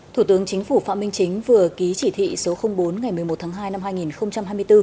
thủ tướng chính phủ phạm minh chính vừa ký chỉ thị số bốn ngày một mươi một tháng hai năm hai nghìn hai mươi bốn